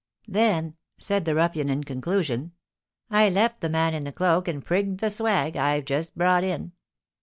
Then," said the ruffian, in conclusion, "I left the man in the cloak, and 'prigged the swag' I've just brought in."